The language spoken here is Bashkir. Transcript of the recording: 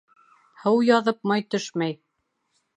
Һыу яҙып май төшмәй.